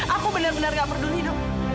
aku bener bener gak peduli dok